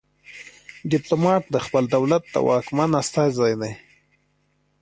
ډیپلومات د خپل دولت د واکمن استازی دی